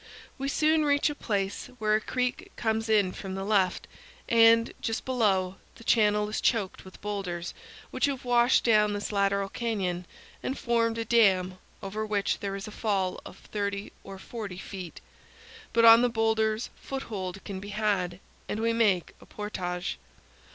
We soon reach a place TO THE FOOT OF THE GRAND CANYON. 249 where a creek comes in from the left, and, just below, the channel is choked with boulders, which have washed down this lateral canyon and formed a dam, over which there is a fall of 30 or 40 feet; but on the boulders foothold can be had, and we make a portage.